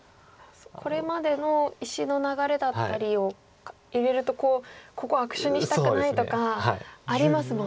これまでの石の流れだったりを入れるとここ悪手にしたくないとかありますもんね。